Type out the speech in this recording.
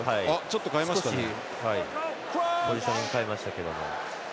少しポジショニング変えましたけれども。